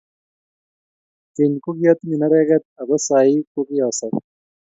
keny ko kiatinye nereket ako saii ko kiasop